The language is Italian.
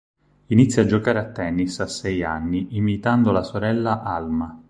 Inizia a giocare a tennis a sei anni imitando la sorella Alma.